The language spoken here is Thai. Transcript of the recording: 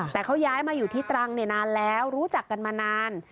แต่เขาย้ายมาอยู่ที่ตรังนานแล้วรู้จักกันมานาน